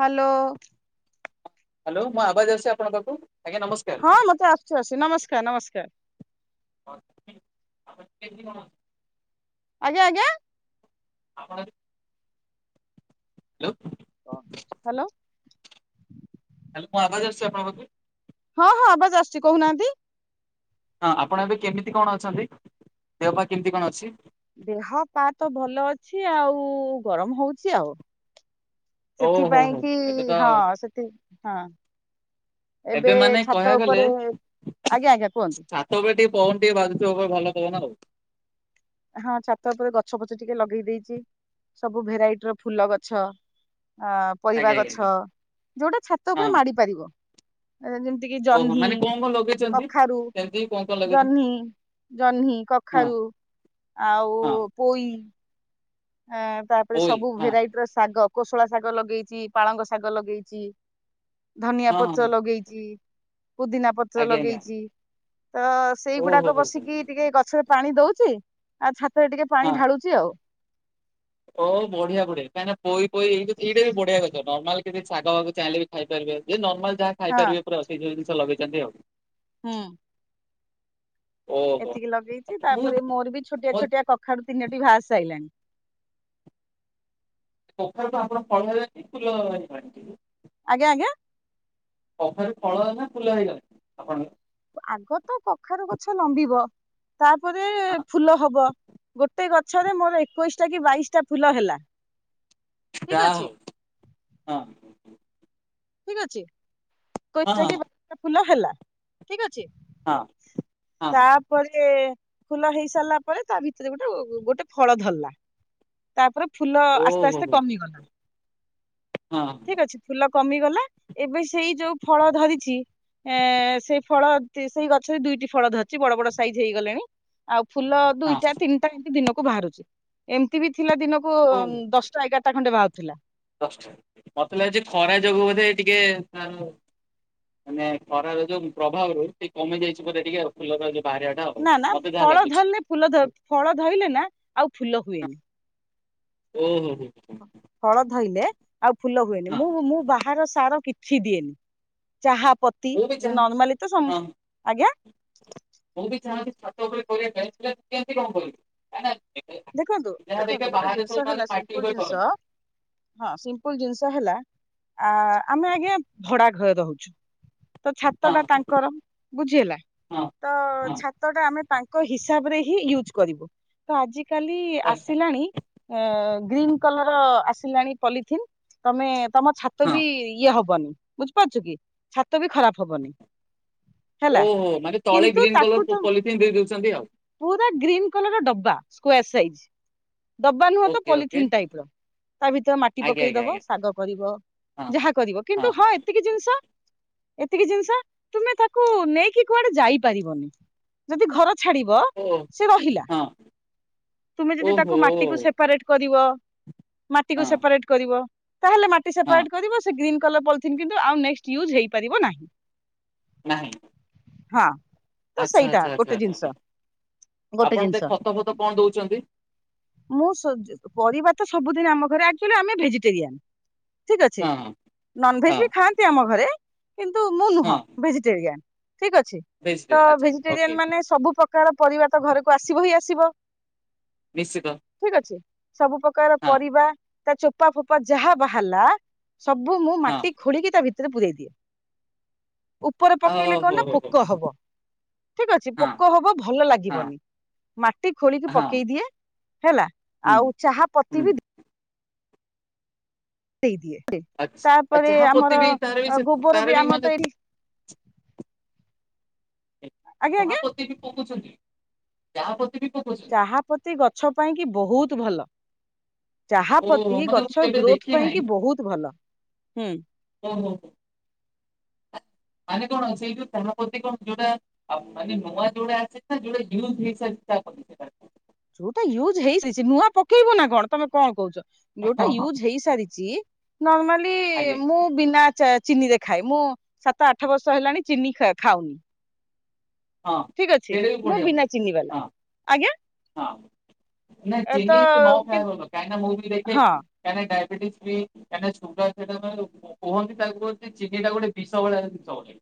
Hello hello ମୋ ଆବାଜ ଆସୁଛି ଆପଣ ପାଖକୁ ଆଜ୍ଞା ନମସ୍କାର ହଁ ମୋତେ ଆସୁଚି ଆସୁଚି ନମସ୍କାର ନମସ୍କାର [inaudible] ହଉ କେ ଆଜ୍ଞା ଆଜ୍ଞା ଆପଣ ଆଜି ହ୍ୟାଲୋ କଣ ହ୍ୟାଲୋ ହ୍ୟାଲୋ ଆବାଜ ଆସୁଛି ଆପଣ ପାଖକୁ ହଁ ହଁ ଆବାଜ ଆସୁଛି କହୁନାହାନ୍ତି ହଁ ଆପଣ ଏବେ କେମିତି କଣ ଅଛନ୍ତି ଦେହ ପା କେମିତି କଣ ଅଛି ଦେହ ପା ତ ଭଲ ଅଛି ଆଉ ଗରମ ହଉଛି ଆଉ ଓହୋ ସେଥିପାଇଁ ହୋ କି ଏବେ ତ ହଁ ସେଥି ହଁ ଏବେ ମାନେ ଛାତ କହିବାକୁ ଉପରେ ଆଜ୍ଞା ଆଜ୍ଞା କୁହନ୍ତୁ ତବେ ଟିକେ ପବନ ଟିକେ ବାଜୁଥିବ ଭଲ ପବନ ଆଉ ହଁ ଛାତ ଉପରେ ଗଛ ଫଛ ଟିକେ ଲଗେଇ ଦେଇଚି ସବୁ ଭେରାଇଟିର ଫୁଲ ଗଛ ଆ ପରିବା ଆଜ୍ଞା ଆଜ୍ଞା ଆଜ୍ଞା ଗଛ ଯୋଉଟା ଛାତ ଉପରେ ହଁ ମାଡ଼ି ପାରିବ ଯେମିତି କିି ଓହୋ ଜହ୍ନି ମାନେ କଣ କଣ ଲଗେଇଛନ୍ତି? କଖାରୁ ସେମିତି କଣ କଣ ଲଗେଇଛନ୍ତି ଜହ୍ନି ଜହ୍ନି, ହଁ କଖାରୁ ଆଉ ହଁ ପୋଇ ଆ ତାପରେ ପୋଇ ସବୁ ହଁ ଭେରାଇଟିର ଶାଗ କୋଶଳା ଶାଗ ଲଗେଇଚି ପାଳଙ୍ଗ ଶାଗ ଲଗେଇଚି ଧନିଆ ହଁ ହଁ ପତ୍ର ହଁ, ଲଗେଇଚି ପୁଦିନା ପତ୍ର ଆଜ୍ଞା ଆଜ୍ଞା ଲଗେଇଚି ତ ଓହୋ ସେଇଗୁଡ଼ାକ ହୋ ହୋ। ବସିକି ଟିକେ ଗଛରେ ପାଣି ଦଉଛି ଆଉ ଛାତରେ ଟିକେ ହଁ ପାଣି ଢାଳୁଚି ଆଉ ଓ ବଢ଼ିଆ ବଢି଼ଆ କାହିଁ ନା ପଇ ପୋଇ ଏଇଟା ବି ବଢି଼ଆ ଗଛ ନର୍ମାଲ କିଛି ଶାଗ ଭାଗ ଚାହିଁଲେ ବି ଖାଇ ପାରିବେ ଯେ ନର୍ମାଲ ଯାହା ହଁ ଖାଇପାରିବେ ପୁରା ସେଇ ଯୋଉ ଜିନିଷ ଲଗେଇଛନ୍ତି ଆଉ ହୁଁ ଓହୋ ଏତିକି ଲଗେଇଛି ମୁଁ ତାପରେ ମୋର ବି ଛୋଟିଆ ମୋ ଛୋଟିଆ କଖାରୁୁ ତିନୋଟି ବାହାରି ସାରିଲାଣି କଖାରୁ ତ ଆପଣ ଫଳ [unintelligible] ଫୁଲ ବାହାରି ଆଜ୍ଞା ଆଜ୍ଞା କଖାରୁ ଫଳ ନା ଫୁଲ ହେଇଗଲା ଆପଣ ଆଗ ତ କଖାରୁ ଗଛ ଲମ୍ବିବ ତାପରେ ଫୁଲ ହବ ଗୋଟେ ଗଛ ଗଛରେ ମୋର ଏକୋଇଶି ଟା କି ବାଇଶି ଟା ଫୁଲ ହେଲା ଠିକ ଯାହ ଅଛି ହଉ ହଁ। ଠିକ ହଁ ଅଛି ହଁ ଫୁଲ ହେଲା ଠିକ ଅଛି। ହଁ ହଁ ହଁ ତାପ ପରେ ଫୁଲ ହେଇ ସାରିଲା ପରେ ତା ଭିତରେ ଗୋଟେ ଗୋଟେ ଫଳ ଧରିଲା ତାପରେ ଫୁଲ ଆସ୍ତେ ଓହୋ ଆସ୍ତେ ହୋ କମିଗଲା ହଁ ହଁ ଠିକ ଅଛି ଫୁଲ କମିଗଲା ଏବେ ସେଇ ଯୋଉ ଫଳ ଧରିଛି ଏ ସେଇ ଫଳ ସେଇ ଗଛରେ ଦୁଇଟି ଫଳ ଧରିଛି ବଡ଼ ବଡ଼ ସାଇଜ୍ ହେଇଗଲେଣି। ଆଉ ଫୁଲ ଦୁଇଟା ତିନିଟା ଏମିତି ଦିନକୁ ବାହାରୁଛି ଏମିତି ବି ଥିଲା ଦିନକୁ ଦଶ ଏଗାରଟା ଖଣ୍ଡେ ବାହାରୁଥିଲା। ଦଶାଟା ମତେ ଲାଗୁଛି ଖରା ଯୋଗୁଁ ବୋଧେ ଟିକେ ତା ମାନେ ଖରାର ଯୋଉ ପ୍ରଭାବ ରୁ ସେ କମି ଯାଇଛି ବୋଧେ ଟିକେ ଆଉ ଫୁଲର ଯୋଉ ବାହାରିଆ ନା ନା ଫଳ ଧର ଫୁଲ ଫଳ ଧରଲେ ନା ଆଉ ଫୁଲ ହୁଏନି। ଓ ହୁଁ ହୁଁ। ଫଳ ଧଇଲେ ଆଉ ଫୁଲ ହୁଏନି ହଁ ମୁଁ ମୁଁ ବାହାର ସାର କି କିଛି ଦିଏନି ଚାହା ପତି ମୁଁ ବି ଚାହେଁ ନର୍ମାଲି ତ ହଁ ଆଜ୍ଞା ମୁଁ ବି ଚାହାଁଛି ଛାତ ଉପରେ କରିବା ପାଇଁ କେମିତି କଣ କରିବି? କାଇଁ ନା ଦେଖେ ଦେଖନ୍ତୁ ଯାହା ଦେଖିବେ ଦେଖନ୍ତୁ ଗୋଟେ ବାହାରେ ସବୁ ଜିନିଷ ମାନେ ହେଲା ମାଟି ଉପରେ ସିମ୍ପଲ ଜିନିଷ କରନ୍ତି ହଁ ସିମ୍ପଲ ଜିନିଷ ହେଲା। ଆ ଆମେ ଆଜ୍ଞା ଭଡା ଘରେ ରହୁଛୁ ତ ଛାତ ଟା ହଁ ତାଙ୍କର ବୁଝି ହେଲା ହଁ ତ ହଁ ଛାତଟା ଆମେ ତାଙ୍କ ହିସାବରେ ହିଁ ୟୁଜ କରିବୁ ତ ଆଜି ଆ କାଲି ଆଚ୍ଛା ଆସିଲାଣି ଗ୍ରୀନ୍ କଲର ଆସିଲାଣି ପଲିଥିନ୍ ତମେ ତମ ଛାତ ହଁ ବି ଇଏ ହବନି ବୁଝିପାରୁଛ କି ଛାତ ବି ଖରାପ ହବନି ହେଲା ଓହୋ ମାନେ ତଳେ କିନ୍ତୁ ଗ୍ରୀନ୍ କଲର ତାକୁ ତ ପଲିଥିନ୍ ଦେଇ ଦଉଛନ୍ତି ଆଉ ପୁର ଗ୍ରୀନ କଲର ଡବା ସ୍କାର ସାଇଜ ଡବା ନୁହେଁ ତ ଓକେ ଓକେ ପଲିଥିନ ଟାଇପର। ତା ଭିତରେ ମାଟି ଆଜ୍ଞା ପକେଇ ଆଜ୍ଞା ଦବ ଆଜ୍ଞା ଶାଗ କରିବ ଯାହା କରିବ କିନ୍ତୁ ହଁ ଏତିକି ଜିନିଷ ଏତିକି ଜିନିଷ ତୁମେ ତାକୁ ନେଇକି କୁଆଡେ ଯାଇପାରିବନି ଯଦି ଘର ଛାଡିବ ହଁ ଓ ସେ ରହିଲା। ହଁ ତୁମେ ଯଦି ଓହୋ ତାକୁ ମାଟିକୁ ସେପାରେଟ କରିବ ମାଟିକୁୁ ହଁ ସେପାରେଟ୍ କରିବ ତାହେଲେ ମାଟି ହଁ ସେପାରେଟ୍ କରିବ ଗ୍ରୀନ୍ କଲର ପଲିଥିନ କିନ୍ତୁ ଆଉ ନେକ୍ସଟ ୟୁଜ୍ ହେଇପାରିବ ନାହିଁ। ନାହିଁ। ହଁ ତ ଆଚ୍ଛା ସେଇଟା ଆଚ୍ଛା ଆଚ୍ଛା ଗୋଟେ ଆଚ୍ଛା ଜିନିଷ ଆଛା ଗୋଟେ ଆପଣତେ ଜିନିଷ ଖତ ଫତ କଣ ଦେଉଛନ୍ତି? ମୁଁ ପରିବା ତ ସବୁଦିନ ଆମ ଘରେ ଏକ୍ଟୁଲି ଆମେ ଭେଜିଟେରିଆନ୍। ଠିକ ଅଛି ହଁ ହଁ ହଁ ନନଭେଜ ବି ଖାଆନ୍ତି ଆମ ଘରେ କିନ୍ତୁ ମୁଁ ହଁ ନୁହଁ ଭେଜିଟେରିଆନ ଠିକ ଅଛି ଭେଜରେ ତ ଆଚ୍ଛା ଓକେ ଭେଜିଟେରିଆନ ମାନେ ସବୁ କା ପରିବା ତ ଘରକୁ ଆସିବ ହିଁ ଆସିବ। ନିଶ୍ଚିତ। ଠିକ ଅଛି ସବୁ ପ୍ରକାର ହଁ ପରିବା ତା ଚୋପା ଫୋପା ଯାହା ବାହାରିଲା ସବୁ ମୁଁ ହଁ ମାଟି ଖୋଳିକି ତା ଭିତରେ ପୂରାଇ ଦିଏ। ଉପରେ ପକେଇଲେ ଓହୋ କଣ ନା ହୋ ହୋ ପୋକ ହବ ଠିକ ଅଛି ହଁ ପୋକ ହବ ଭଲ ହଁ ଲାଗିବନି ମାଟି ଖୋଳିକି ହଁ ପକେଇ ଦିଏ ହେଲା ହୁଁ ଆଉ ଚାହା ହୁଁ ପତି ବି ଦେଇଦିଏ ଆଚ୍ଛା ତାପରେ ଚାହା ପତି ଆମର ବି ତାର ବି ସେ ଗୋବର ତାର ବି ଆମର ମାନେ ତ ଏଇ ଆଜ୍ଞା ଯାହା ଆଜ୍ଞା ପ୍ରତି ବି ପକଉଛନ୍ତି ଯାହା ପ୍ରତି ବି ପକଛନ୍ତି ତାହା ପ୍ରତି ଗଛ ପାଇଁ କି ବହୁତ ଭଲ। ଚାହା ପ୍ରତି ଓହୋ ମାନେ ମୁଁ ଗଛ କେବେ ଗ୍ରୋଥ ଦେଖି ପାଇଁ କି ବହୁତ ଭଲ ହୁଁ। ଓ ହୋ ହୋ ମାନେ କଣ ଅ ସେଇ ଯ ତା ପ୍ରତି କଣ ଯୋଉଟା ଆଉ ମାନେ ନୂଆ ଯୋଉଡା ଆସେ ନା ଯୋଉଟା ଜୁଇସଷ୍ଟା ସେଟ ଯୋଉଟା ୟୁଜ ହେଇ ନୂଆ ପକେଇବୁ ନା କଣ ତମେ କଣ କହୁଛ। ଯୋଉଟା ହଁ ହଁ ୟୁଜ ହେଇସାରିଛି ନର୍ମାଲି ଆଜ୍ଞା ମୁଁ ବିନା ଚିନି ଦେଖାଏ ମୁଁ ସାତ ଆଠ ବର୍ଷ ହେଲାଣି ଚିନି ଖାଉନି। ହଁ ଠିକ ଅଛି ଳ ବି ମୁଁ ପୁଣିଆ ବିନା ଚିନି ପାଇଁରେ ବାଲା ଆଜ୍ଞା ହଁ ହଁ। ନାଁ ଚିନି ତ ନ ଖାଇ ବଲ କାଇଁନା ମୁଭି ଦେଖେ ହଁ କାଇ ଡାୟବେଟିସ ବି କାହିଁକି ସୁୁଗା ସେଟା କୁହନ୍ତି ତାକୁ କ ଚିନିଟା ଗୋଟେ ବିଷ ଭଳିଆ ଜିନିଷ ବୋଲି।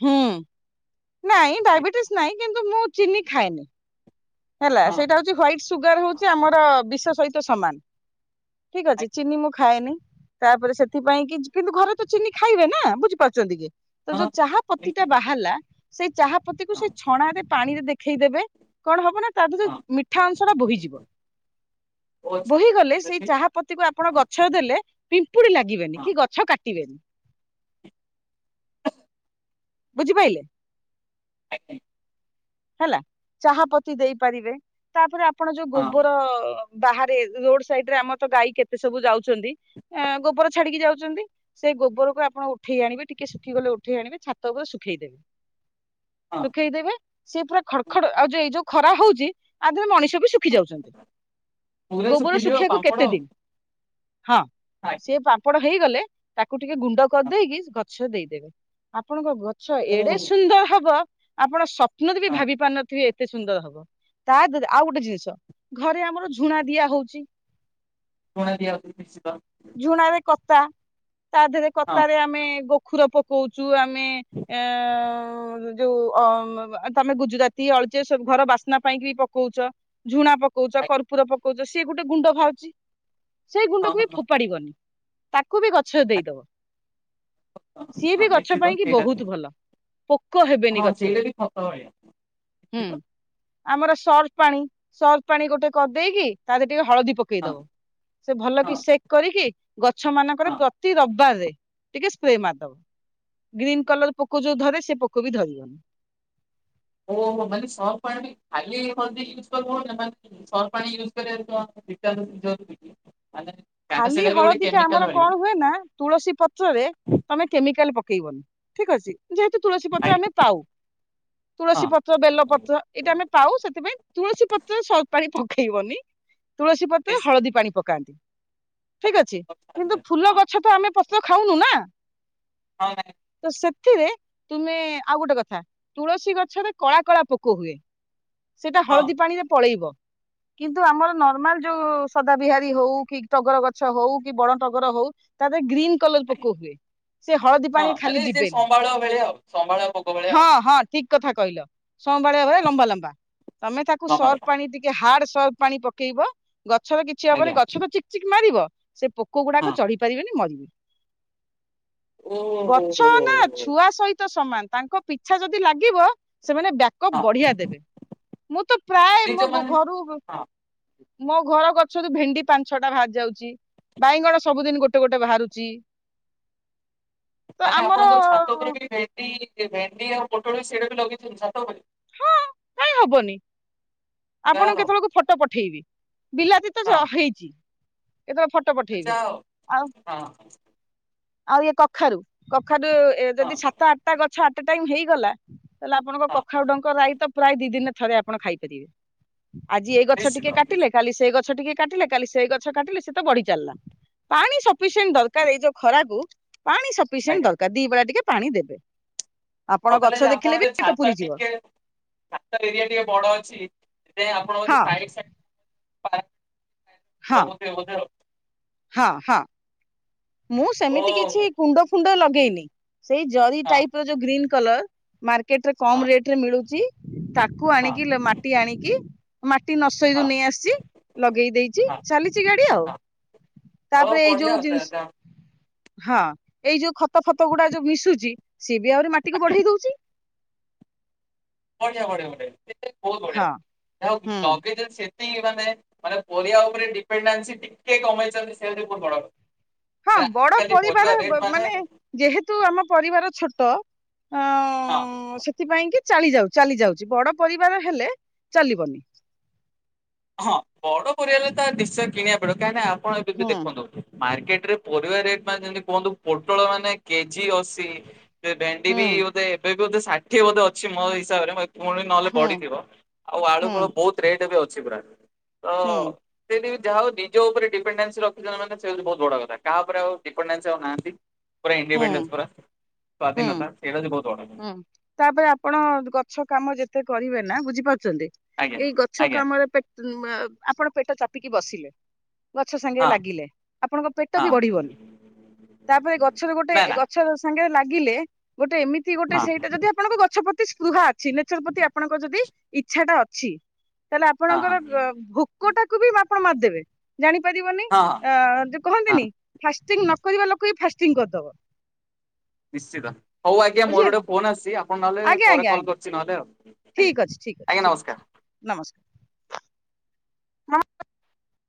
ହୁଁ ନାଇଁ ଡାଇବେଟିସ୍ ନାଇଁ କିନ୍ତୁ ମୁଁ ଚିନି ଖାଏନି। ହେଲା ହଁ ସେଇଟା ହଉଛି ହ୍ୱଵାଇଟ୍ ସୁଗାର ହଁ ହଉଛି ଆମର ବିଷ ସହିତ ସମାନ। ଠିକ ଆଜ୍ଞା। ଅଛି ଚିନି ମୁଖ ଖାଏନି ତାପରେ ସେଥିପାଇଁ କି କିନ୍ତୁ ଘରେ ତ ଚିନି ଖାଇବେ ନା ବୁଝିପାରୁଛନ୍ତି କି। ହଁ ତ ଯୋଉ ଚାହା ପତି ଟା ହଁ ବାହାରିଲା ସେଇ ଚାହା ପତି କୁ ସେ ଛଣାରେ ପାଣିରେ ଦେଖେଇଦେବେ। କଣ ହବ ନା ତା ହଁ ଦେହରେ ମିଠା ଅଂଶ ଟା ବୋହିଯିବ ବହୁତ ବୋହି ସାରା ଗଲେ ଠିକ୍ ସେଇ ଅଛି ଚାହା ପତି କ ଆପଣ ହଁ ଗଛ ଦେଲେ ପିମ୍ପୁଡି ଲାଗିବେନି ହଁ କି ଗଛ କାଟିବେନି। ବୁଝିପାରିଲେ ଆଜ୍ଞା। ହେଲା ଚାହା ପତି ଦେଇପାରିବେ ତାପରେ ଆପଣ ଯୋଉ ହଁ ଗୋବର ବାହାରେ ରୋଡ ସାଇଡ ରେ ଆମର ତ ଗାଈ କେତେ ସବୁ ଯାଉଛନ୍ତି ଗୋବର ଛାଡିକି ଯାଉଛନ୍ତି। ସେ ଗୋବରକୁ ଆପଣ ଉଠେଇ ଆଣିବେ ଟିକେ ଶୁଖି ଗଲେ ଉଠେଇ ଆଣିବେ ଛାତ ଉପରେ ଶୁଖେଇଦେବେ। ହଁ ଶୁଖେଇଦେବେ ସି ପୁରା ଖଡ ଖଡ ଆଉ ଯଇ ଯୋଉ ଖରା ହଉଛି ତାଦହରେ ମଣିଷ ବିଖ ଶଖ ଯାଉଛନ୍ତି ପୁରା ଗୋବର ଶୁଖିଯିବ ଶୁଖିବାକୁ କେତେ ଦିନ ହଁ। ହଁ। ପାପଣ ହେଇଗଲେ ତାକୁ ଟିକେ ଗୁଣ୍ଡ ହଁ କରିଦେଇକି ଗଛ ଦେଇଦେବେ ଆପଣଙ୍କ ଏଡେ ଓହୋ ସୁନ୍ଦର ହବ ଆପଣ ସ୍ୱପ୍ନରେ ବି ହଁ ଭାବି ପାରୁନଥିବେ କେତେ ସୁନ୍ଦର ହବ ତା ଦେହରେ ଆଉ ଗୋଟେ ଜିନିଷ ଘରେ ଆମର ଝୁଣା ଦିଆ ହଉଛି। କଣ ଦିଆିବା [unintelligible] ଝୁଣ ରେ କତା ତା ଦେହରେ ହଁ କତା ାରେ ଆମେ ଗୋଖର ପକଉଛୁ ଆ। ଆମେ ଅ ଯୋଉ ତମେ ଗୁଜୁରାତି ଅଳଚେ ଘର ବାସ୍ନା ପାଇଁ ବି ପକଉଛ। ଝୁଣା ପକଉଛ ଆଜ୍ଞା କର୍ପୁର ପକଉଚ ସିଏ ଗୋଟେ ଗୁଣ୍ଡ ଖାଉଛି। ସେ ଗୁଣ୍ଡକୁ ହଁ ବି ହଁ ଫୋପାଡିବନି ତାକୁ ବି ଗଛ ଦେଇଦବ। ହଁ ହଁ ସିଏ ହଁ ବି ଗଛ ନିଶ୍ଚିତ ପାଇଁ କି ସେଇଟା ବହୁତ ଭଲ। ପୋକ ହେବେନି ହଁ ସେଇଟା ଗଛରେ। ବି ଖତ ଭଳିଆ ହୁଁ ନିଶ୍ଚିତ ଆମର ସର୍ଫ ପାଣି ସର୍ଫ ପାଣି ଗୋଟେ କରିଦେଇକି ତାରେ ଟିକେ ହଳଦୀ ପକେଇ ହଁ ପକେଇଦବ ସେ ଭଲ ହଁ କି ସେକ୍ କରିକି ଗଛ ମାନଙ୍କର ହଁ ପ୍ରତି ରବିବାରରେ ଟିକେ ସ୍େ ମାରିଦବ ଗ୍ରୀନ୍ କଲର ପୋକ ଯୋଉ ଧରେ ସେ ପୋକ ବି ଧରିବନି। ଓହୋ ମାନେ ସ ପା ଖାଲି ହ ୟୁଜ୍ କର ମାନେ। ସନ ପାଣି ୟୁଜ କରରେ ଜର [unintelligible] ଖାଲି ହଳଦୀ ଟା ଆମର କଣ ହୁଏ ନା। ତୁଳସୀ ପତ୍ରରେ ତମେ କେମିକାଲ ପକେଇବନି ଠିକ ଅଛି। ଯେହେତୁ ତୁଳସୀ ପତ୍ର ଆମେ ଆଜ୍ଞା ପାଉ ହଁ ତୁଳସୀ ପତ୍ର ବେଲ ପତ୍ର। ଏଇଟା ଆମେ ପାଉ, ସେଥିପାଇଁ ତୁଳସୀ ପତ୍ରରେ ସ ପାଣି ପକେଇବନି? ତୁଳସୀ ପତ୍ର, ନିଶ୍ଚିତ ହଳଦୀ ପାଣି ପକାନ୍ତି। ଠିକ ଅଛି, କିନ୍ତୁ ଫୁଲ ହଁ ଗଛ ତ ଆମେ ପତ୍ର ଖାଉନୁ ନା? ହଁ, ଭାଇ। ତ ସେଥିରେ ତୁମେ, ଆଉ ଗୋଟେ କଥା ତୁଳସୀ ଗଛରେ କଳା କଳା ପୋକ ହୁଏ। ସେଇଟା ହଁ ହଳଦୀ ପାଣିରେ ପଳେଇବ କିନ୍ତୁ ଆମର ନର୍ମାଲ ଯୋଉ ସଦା ବିିହାରୀ ହଉ କି ତଗର ଗଛ ହଉ, କି ବଡ ତଗର ହଉ, ତା ଦେହରେ ଗ୍ରୀନ କଲର ପୋକ ହୁଏ। ସେ ହଳଦୀ ହଁ ପାଣିରେ ଖାଲି ମାନେ ସେ ଯିବେନି, ସମ୍ବାଳ ଭଳିଆ ଆଉ ସମ୍ବାଳ ପୋକ ଭଳିଆ ଆଉ ହଁ ହଁ। ଠିକ କଥା କହିଲ, ସଁ ବାଳୁଆ ଭଳିଆ ଲମ୍ବା ଲମ୍ବା, ତମେ ତାକୁ ଲମ୍ବା ସର୍ଫ ଲମ୍ବା ପାଣି ଟି ଟିକେ ହାର୍ଡ ସ ପାଣି ପକେଇବ, ଗଛର କିଛି ହବନି, ଆଜ୍ଞା ଗଛ ତ ଚିକ ଚିକ୍ ମାରିବ ସେ ପୋକ ହଁ ଗୁଡାକ ଚଢି ପାରିବେନି ମରିବେ। ଓହୋ ଗଛ ହୋ ନା ହୋ ଛୁଆ ସହିତ ସମାନ, ତାଙ୍କ ପିଛା ଯଦି ଲାଗିବ, ସେମାନେ ବ୍ୟାକଅପ୍ ହଁ ବଢିଆ ଦେବେ। ମୁଁ ତ ପ୍ରାୟ ନିଜ ମୋ ମାନେ ଘରୁ, ହଁ ମୋ ଘର ଗଛ ଭେଣ୍ଡି ପା ଛଟା ବାହାରି ଯାଉଚି, ବାଇଗଣ ସବୁଦିନ ଗୋଟେ ଗୋଟେ ବାହାରୁଚି। ମାନେ ଆପଣଙ୍କ ଛାତ ଉପରେ ବି ଭେଣ୍ଡି, ଭେଣ୍ଡି ଆଉ ପୋଟଳ ବି ସେଇଟା ବି ଲଗେଇଚନ୍ତି ଛାତ ଉପରେ। ହଁ କାଇଁ ହବନି, ଆପଣ ଯାହା ହଉ କେତେବେଳକୁ ଫଟୋ ପଠେଇବି, ବିଲାତି [unintelligible] ହଁ ହେଇଚି, କେତେବେଳେ ଫଟୋ ପଠେଇବି, ଯାହା ହଉ ଆଉ ହଁ ଆଉ ଇଏ କଖାରୁ, କଖାରୁ ଯଦି ହଁ ସାତ ଆଠଟା ଗଛ ଆଟ ଏ ଟାଇମ ହେଇଗଲା, ତାହେଲେ ଆପଣଙ୍କ କ ହଁ କଖାରୁ ଡଙ୍କ ରାଇ ରାଇ ତ ପ୍ରାୟ ଦି ଦିନି ରେ ଥରେ ଆପଣ ଖାଇପାରିବେ। ଆଜି ଏଇ ଗଛ ନିଶ୍ଚିତ ଟିକେ କାଟିଲେ, ନିଶ୍ଚିତ କାଲି ସେଇ ଗଛ ଟିକେ କାଟିଲେ କାଲି ସେଇ ଗଛ କାଟିଲେ, ସେ ତ ବଢି ଚାଲିଲା, ପାଣି ସଫିସିଏଣ୍ଟ ଦରକାର ଏଇ ଯୋଉ ଖରାକୁ ପାଣି ସଫିସିଏଣ୍ଟ ଆଜ୍ଞା ଦରକାର, ଦି ବେଳା ଟିକେ ପାଣି ଦେବେ। ଆପଣ ମତେ ଗଛ ଲାଗୁଚି ଦେଖିଲେ ବି ଆପଣଙ୍କ ପେଟ ଛାତ ପୁରିଯିବ ଟିକେ ଛାତ ଏରିଆ ଟିକେ ବଡ ଅଛି, ସେଥିପାଇଁ ଆପଣ ବୋଧେ ହଁ ସାଇଡ଼ ସାଇଡ [unintelligible] ହଁ ଲଗଉଥିବେ ବୋଧେ ଆଉ। ହଁ ହଁ। ମୁଁ ସେମିତି କିଛି ଓହୋ କୁଣ୍ଡ ଫୁଣ୍ଡ ଲଗେଇନି, ସେଇ ଜରି ହଁ ଟାଇପ୍ ର ଯୋଉ ଗ୍ରୀନ୍ କଲର ମାର୍କେଟ ରେ ହଁ କମ୍ ରେଟ୍ ରେ ମିଳୁଚି, ତାକୁ ହଁ ଆଣିକି ମାଟି ଆଣିକି ମାଟି ହଁ ନସୋଇରୁୁ ନେଇ ଆସିଛି, ଲଗେଇ ଦେଇଚି, ହଁ ଚାଲିଚି ଗାଡ଼ି ଆଉ। ହଁ। ହଉ ତାପରେ ଏଇ ବଢିଆ ଯୋଉ ଆଉ ଜିନିଷ ତାହେଲେ ହଁ, ଏଇ ଯୋଉ ଖତ ଫତ ଗୁଡ଼ା ଯୋଉ ମିଶୁଚି, ସିଏ ବି ଆହୁରି ମାଟିକୁ ବଢେଇ ଦଉଚି। ବଢିଆ ବଢିଆ ବଢିଆ, ସେ ବହୁତ ବଢିଆ, ହଁ ଯାହାହଉ ହୁଁ ଲଗେଇଚନ୍ତି ସେ ନ୍ତି ମାନେ, ମାନେ ପରିବା ଉପରେ ଡିପେଡେନ୍ସି ଟିକେ କମେଇଚନ୍ତି, ସେଇଟା ବି ବହୁତ ବଡ କଥା। ହଁ, ବଡ଼ ଆଜିକାଲି ପରିବା ପରିବାର ରେଟ୍ ମାନେ ଯେହେତୁ ଆମ ପରିବାର ଛୋଟ ଅ ହଁ। ସେଥିପାଇଁ କି ଚାଳି ଯାଉଚି, ଚାଲି ଯାଉଚି, ବଡ଼ ପରିବାର ହେଲେ ଚାଲିବନି। ହଁ ବଡ଼ ପରିବାର ତା ନିଶ୍ଚୟ କିଣିବାକୁ ପଡ଼ିବ, କାହିଁ ନା ଆପଣ ଏବେବି ହୁଁ ଦେଖନ୍ତୁ ମାର୍କେଟ୍ ରେ ପରିବା ରେଟ୍ ମାନେ ଯେମିତି କୁହନ୍ତୁ, ପୋଟଳ ମାନେ କେଜି ଅଶୀ ସେ ଭେଣ୍ଡି ବି ହୁଁ ବୋଧେ ଏବେ ବୋଧେ ଷାଠିଏ ବୋଧେ ଅଛି ମୋ ହିସାବରେ ପୁଣି ନହେଲେ ହୁଁ ବଢିଥିବ, ଆଉ ଆଳୁ ହୁଁ ଫାଳୁ ବହୁତ୍ ରେଟ୍ ବି ଅଛି ପୁରା, ତ ହୁଁ ସେଦି ଯାହା ହଉ ନିଜ ଉପରେ ଡିପେଣ୍ଡେନ୍ସି ରଖିଛନ୍ତି ମାନେ ସେ ହଉଛି ବହୁତ ବଡ଼ କଥା, କାହା ଉପରେ ଆଉ ଡିପେଣ୍ଡେନ୍ସି ଆଉ ନାହାନ୍ତି। ପୁରା ହୁଁ ଇଣ୍ଡିପେଣ୍ଡେନସ ପୁରା, ହୁଁ ସ୍ୱାଧୀନତା, ସେଇଟା ହଉଚି ବହୁତ ବଡ଼ କଥା। ହୁଁ, ତାପରେ ଆପଣ ଗଛ କାମ ଯେତେ କରିବେ ନା ବୁଝିପାରୁଛନ୍ତି? ଆଜ୍ଞା ଏଇ ଗଛ ଆଜ୍ଞା କାମରେ ପେଟ ଆପଣ ପେଟ ଚାପିକି ବସିଲେ। ଗଛ ସାଙ୍ଗେ ହଁ ଲାଗିଲେ ଆପଣଙ୍କ ପେଟ ବି ହଁ। ବଢ଼ିବନି। ତାପରେ ଗଛରେ ଗୋଟେ ନା ନା ଗଛ ସାଙ୍ଗରେ ଲାଗିଲେ ଗୋଟେ ଏମିତି ଗୋଟେ ହଁ ସେଇଟା ଯଦି ଆପଣଙ୍କ ଗଛ ପ୍ରତି ସ୍ପୃହା ଅଛି ନେଚର ପ୍ରତି ଆପଣଙ୍କ ଯଦି ଇଚ୍ଛାଟା ଅଛି। ତାହେଲେ ହଁ ଆପଣଙ୍କର ହଁ ଅ ଭୋକ ଟାକୁ ବି ଆପଣ ମାରିଦେବେ। ଜାଣିପାରିବନି ହଁ ହଁ ଅ ଯୋଉ ହଁ କହନ୍ତିନି ଫାଷ୍ଟିଙ୍ଗ ନକରିବା ଲୋକ ବି ଫାଷ୍ଟିଙ୍ଗ କରିଦବ। ନିଶ୍ଚିତ ହଉ ଆଜ୍ଞା ମୋର ଗୋଟେ ବୁଝିହେଲା ଫୋନ୍ ଆସିଛି ଆପଣ ନହେଲେ ପରେ କଲ୍ କରୁଛି ନହେଲେ ଆଉ। ଆଜ୍ଞା ଠିକ୍ ଅଛି ଠିକ୍ ଅଛି ଆଜ୍ଞା ଠିକ ନମସ୍କାର। ଅଛି ନମସ୍କାର। ନାମ [unintelligible]